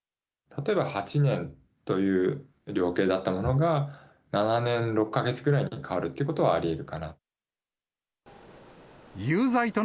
例えば８年という量刑だったものが、７年６か月ぐらいに変わるということはありえるかなと。